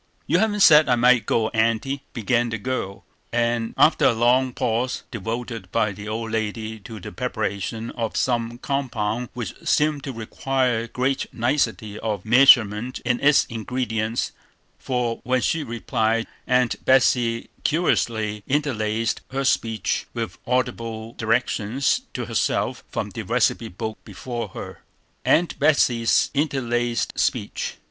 "You haven't said I might go, Aunty," began the girl, after a long pause devoted by the old lady to the preparation of some compound which seemed to require great nicety of measurement in its ingredients; for when she replied, Aunt Betsey curiously interlarded her speech with audible directions to herself from the receipt book before her. [Illustration: AUNT BETSEY'S INTERLARDED SPEECH.